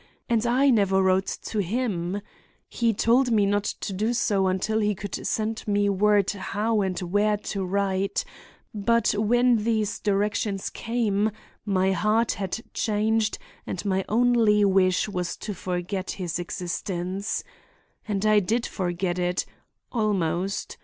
And I never wrote to him. He told me not to do so until he could send me word how and where to write; but when these directions came my heart had changed and my only wish was to forget his existence. And I did forget it—almost.